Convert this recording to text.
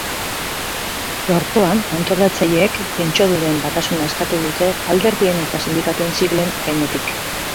Gaurkoan, antolatzaileek pentsiodunen batasuna eskatu dute alderdien eta sindikatuen siglen gainetik.